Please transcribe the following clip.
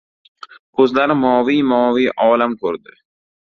Ko‘zlari moviy-moviy olam ko‘rdi.